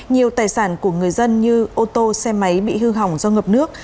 nhiều tài sản của người dân như ô tô xe máy bị hư hỏng do ngập nước